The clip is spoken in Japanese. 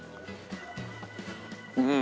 うん。